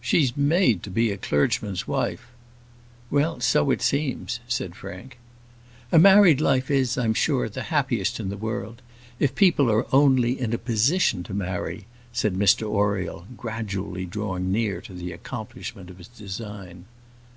"She's made to be a clergyman's wife." "Well, so it seems," said Frank. "A married life is, I'm sure, the happiest in the world if people are only in a position to marry," said Mr Oriel, gradually drawing near to the accomplishment of his design.